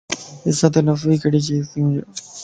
عزت نفس ڀي ڪھڙي چيز تي ھونج